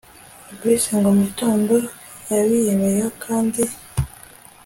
Fabric ngo mugitondo yabiyemeyeho kandi